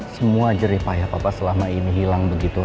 semua jeripaya papa selama ini hilang begitu aja